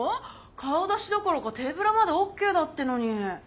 顔出しどころか手ブラまでＯＫだってのに。